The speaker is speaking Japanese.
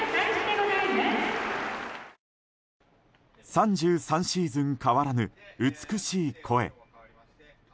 ３３シーズン変わらぬ美しい声。